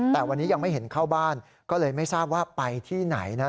แต่วันนี้ยังไม่เห็นเข้าบ้านก็เลยไม่ทราบว่าไปที่ไหนนะ